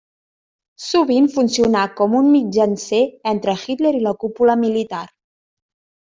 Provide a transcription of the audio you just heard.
Sovint funcionà com un mitjancer entre Hitler i la cúpula militar.